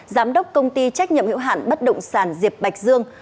giám đốc công ty trách nhiệm hiệu hạn bất động sản diệp bạch dương